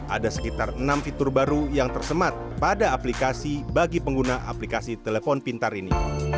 ada sekitar enam fitur baru yang tersemat pada aplikasi bagi pengguna aplikasi telepon pintar ini